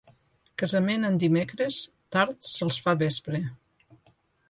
Casament en dimecres, tard se'ls fa vespre.